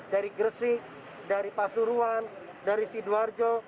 dari gresik dari pasuruan dari sidoarjo